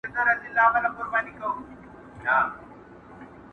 کنې دا زړه بېړی به مو ډوبېږي.